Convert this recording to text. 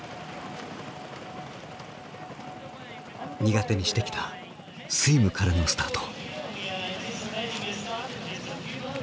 苦手にしてきたスイムからのスタート。